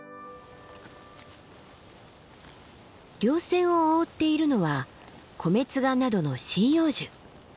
稜線を覆っているのはコメツガなどの針葉樹。